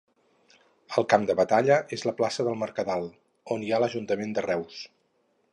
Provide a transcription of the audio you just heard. El camp de batalla és la plaça del Mercadal, on hi ha l'ajuntament de Reus.